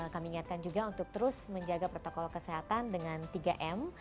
kami ingatkan juga untuk terus menjaga protokol kesehatan dengan tiga m